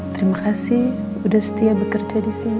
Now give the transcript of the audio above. terima kasih udah setia bekerja disini